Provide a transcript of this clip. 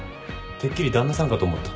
てっきり旦那さんかと思った。